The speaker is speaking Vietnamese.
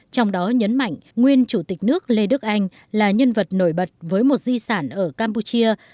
trong đó nhấn mạnh nguyên chủ tịch nước lê đức anh là nhân vật nổi bật với một di sản ở campuchia